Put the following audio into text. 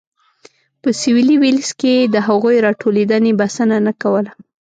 په سوېلي ویلز کې د هغوی راټولېدنې بسنه نه کوله.